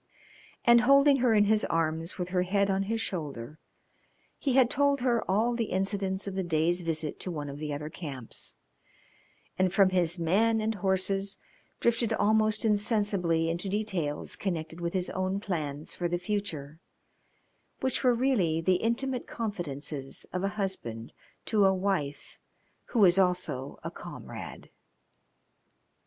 And, holding her in his arms with her head on his shoulder, he had told her all the incidents of the day's visit to one of the other camps, and from his men and his horses drifted almost insensibly into details connected with his own plans for the future, which were really the intimate confidences of a husband to a wife who is also a comrade.